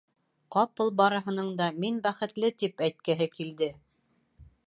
Ҡапыл барыһының да: «Мин бәхетле!» тип әйткеһе килде.